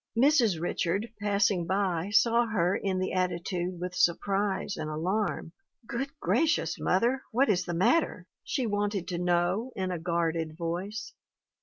"Mrs. Richard, passing by, saw her in the attitude with surprise and alarm. 'Good gracious, Mother, what is the matter ?' she wanted to know, in a guarded voice.